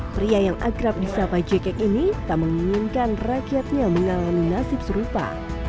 pria yang akrab di sapa jakek ini tak menginginkan rakyatnya mengalami nasib serupa